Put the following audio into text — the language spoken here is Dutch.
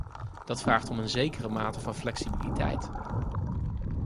Dat vraagt om een zekere mate van flexibiliteit.